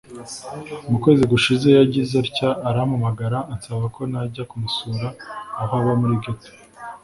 mu kwezi gushize yagize atya arampamagara ansaba ko najya kumusura aho aba muri geto